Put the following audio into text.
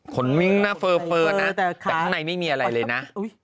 มิ้งนะเฟอร์นะแต่ข้างในไม่มีอะไรเลยนะ